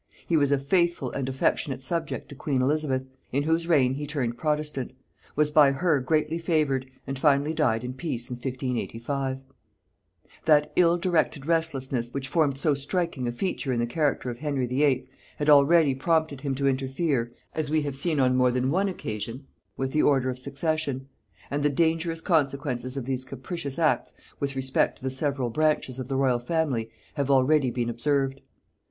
He was a faithful and affectionate subject to queen Elizabeth, in whose reign he turned protestant; was by her greatly favored, and finally died in peace in 1585. That ill directed restlessness which formed so striking a feature in the character of Henry VIII. had already prompted him to interfere, as we have seen, on more than one occasion, with the order of succession; and the dangerous consequences of these capricious acts with respect to the several branches of the royal family have already been observed.